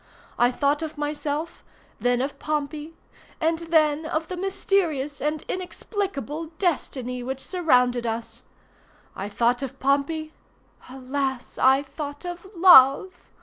I thought of myself, then of Pompey, and then of the mysterious and inexplicable destiny which surrounded us. I thought of Pompey!—alas, I thought of love!